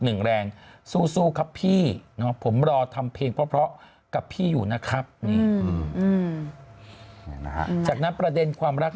หนึ่งแรงซูซูครับพี่นะผมรอทำเพลงเพราะเพราะกับพี่อยู่นะครับจากนั้นประเด็นความรัก